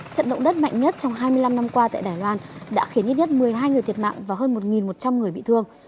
trận động đất mạnh nhất trong hai mươi năm năm qua tại đài loan đã khiến nhất một mươi hai người thiệt mạng và hơn một một trăm linh người bị thương